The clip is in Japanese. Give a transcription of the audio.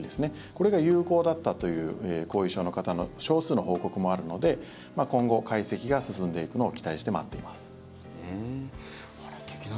これが有効だったという後遺症の方の少数の報告もあるので今後、解析が進んでいくのを期待して待っています。